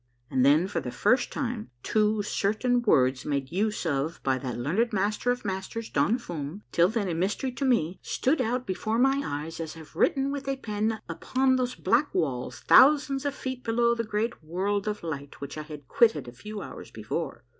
And then for the first time, two certain words made use of by that learned Master of Masters, Don Fum, till then a mystery to me, stood out before my eyes as if written with a pen of fii'e upon those black walls thousands of feet below the great world of light which I had quitted a few hours before.